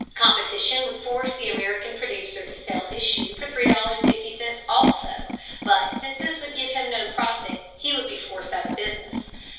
Competition would force the American producer to sell his shoe for $3.50 also, but since this would give him no profit, he would be forced out of business.